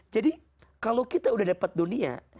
jadi kalau kita sudah dapat dunia